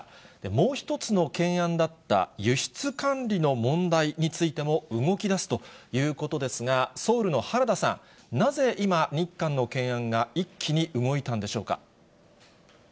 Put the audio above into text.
もう一つの懸案だった輸出管理の問題についても、動きだすということですが、ソウルの原田さん、なぜ今、日韓の懸案が一気に動いたんでしょうか。